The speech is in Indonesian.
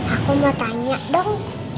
aku mau tanya dong